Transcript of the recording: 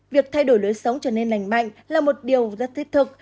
việc thay đổi lối sống trở nên lành mạnh là một điều rất thiết thực